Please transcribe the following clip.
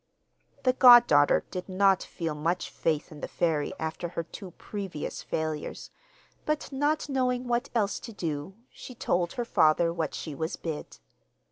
The goddaughter did not feel much faith in the fairy after her two previous failures; but not knowing what else to do, she told her father what she was bid.